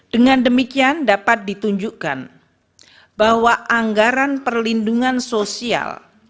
dengan demikian dapat ditunjukkan bahwa anggaran perlindungan sosial